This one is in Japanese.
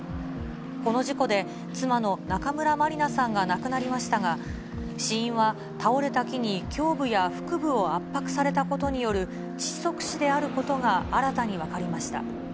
この事故で、妻の中村まりなさんが亡くなりましたが、死因は倒れた木に胸部や腹部を圧迫されたことによる窒息死であることが新たに分かりました。